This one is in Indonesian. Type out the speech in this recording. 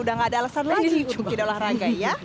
udah gak ada alasan lagi untuk tidak olahraga ya